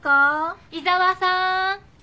伊沢さーん。